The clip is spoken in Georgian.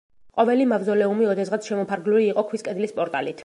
ყოველი მავზოლეუმი ოდესღაც შემოფარგლული იყო ქვის კედლის პორტალით.